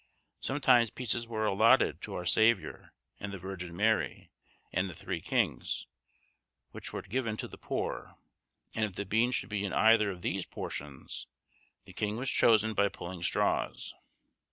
Sometimes pieces were allotted to our Saviour, and the Virgin Mary, and the Three Kings, which were given to the poor; and if the bean should be in either of these portions, the king was chosen by pulling straws.